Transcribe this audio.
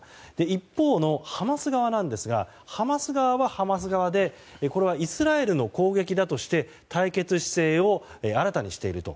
一方のハマス側ですがハマス側はハマス側でこれはイスラエルの攻撃だとして対決姿勢を新たにしていると。